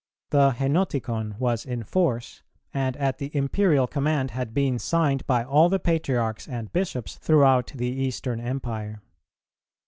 The Henoticon was in force, and at the Imperial command had been signed by all the Patriarchs and Bishops throughout the Eastern Empire.